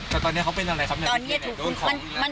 แต่ตอนนี้เขาเป็นอะไรครับ